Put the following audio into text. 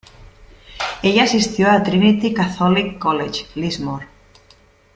Ella asistió a Trinity Catholic College, Lismore.